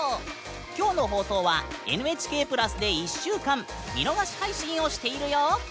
今日の放送は「ＮＨＫプラス」で１週間見逃し配信をしているよ！